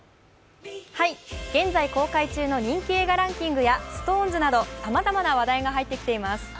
現在公開中の人気映画ランキングやＳｉｘＴＯＮＥＳなどさまざまな話題が入ってきています。